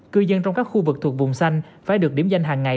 cư dân trong các khu vực thuộc vùng xanh phải được điểm danh hàng ngày